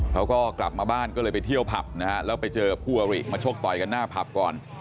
เขาก็กลับมาบ้านก็เลยไปเที่ยวผับนะฮะแล้วไปเจอคู่อริมาชกต่อยกันหน้าผับก่อน